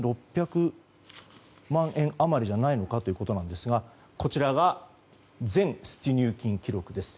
４６００万円余りじゃないのか？ということなんですがこちらが全出入金記録です。